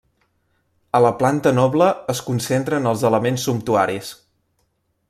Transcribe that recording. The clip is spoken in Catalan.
A la planta noble es concentren els elements sumptuaris.